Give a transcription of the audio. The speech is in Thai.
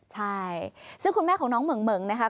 ใช่ซึ่งคุณแม่ของน้องเหิ่งนะคะ